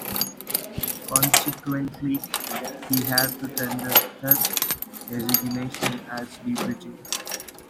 Consequently, he had to tender his resignation as deputy.